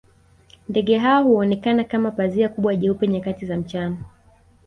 Ndege hao huonekana kama pazia kubwa jeupe nyakati za mchana